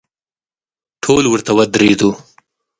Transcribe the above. ټول ورته ودریدو.